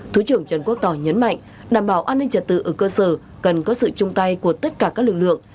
thứ trưởng trần quốc tỏ nhấn mạnh đảm bảo an ninh trật tự ở cơ sở cần có sự chung tay của tất cả các lực lượng